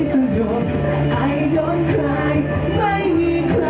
หยุดมีท่าหยุดมีท่า